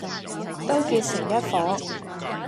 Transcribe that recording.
都結成一夥，